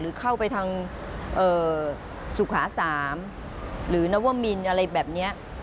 เข้าไปทางสุขา๓หรือนวมินอะไรแบบนี้